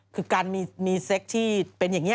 คือการมีเซ็กที่เป็นอย่างนี้